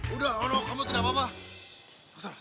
udah allah kamu tidak apa apa